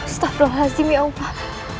astagfirullahaladzim ya allah